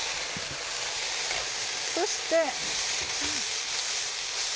そして。